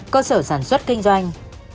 cháy nhà sưởng cơ sở sản xuất kinh doanh